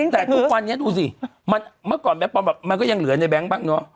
แต่ทุกวันนี้ดูสิเมื่อก่อนแบงค์ปลอมแบบมันก็ยังเหลือในแง๊งบ้างเนอะ